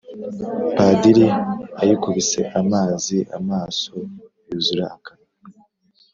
padiri ayikubise amazi amaso yuzura akanwa,